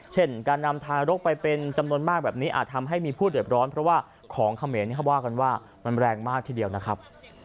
เช่นการนำทารกไปเป็นจำนวนมากแบบนี้อาจทำให้มีผู้เดือดร้อนเพราะว่าของเขมรเขาว่ากันว่ามันแรงมากทีเดียวนะครับ